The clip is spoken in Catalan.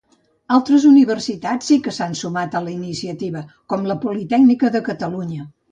Altres universitats sí que s'han sumat a la iniciativa, com la Politècnica de Catalunya.